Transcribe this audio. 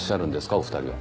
お二人は。